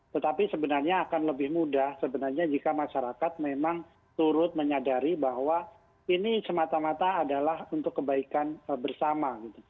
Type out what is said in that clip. tetapi sebenarnya akan lebih mudah sebenarnya jika masyarakat memang turut menyadari bahwa ini semata mata adalah untuk kebaikan bersama